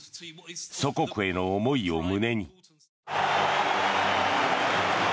祖国への思いを胸に。